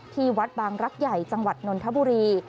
ที่วัดบางรักใหญ่จังหวัดนนทบุรี